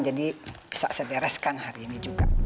jadi bisa saya bereskan hari ini juga